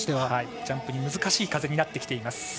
ジャンプに難しい風になってきています。